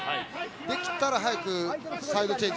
できれば早くサイドチェンジ。